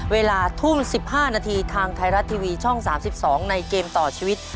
เวลาทุ่ม๑๕นาทีทางไทยรัฐทีวีช่อง๓๒ในเกมต่อชีวิต